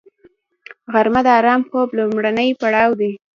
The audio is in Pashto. غرمه د آرام خوب لومړنی پړاو دی